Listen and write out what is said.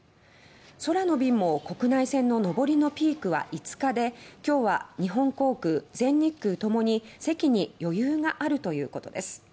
空の便も国内線の上りのピークは５日で今日は日本航空、全日空ともに席に余裕があるということです。